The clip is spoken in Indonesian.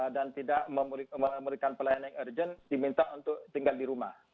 dan tidak memerlukan pelayanan urgent diminta untuk tinggal di rumah